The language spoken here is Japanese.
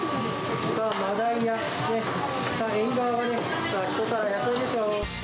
マダイやエンガワがね、１皿１００円ですよ。